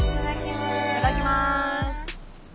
いただきます。